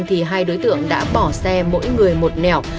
thì hai đối tượng đã bỏ xe mỗi người một nẻo